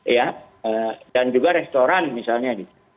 ya dan juga restoran misalnya